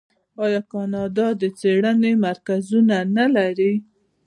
آیا کاناډا د څیړنې مرکزونه نلري؟